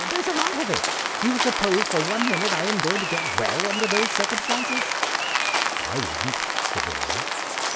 There's a lot of it. Do you suppose for one minute that I am going to get well under those circumstances?" "I wouldn't," said the Lawyer.